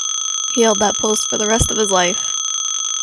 He held that post for the rest of his life.